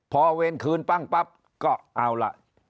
พอเวรคืนปั้งปั๊บก็เอาล่ะ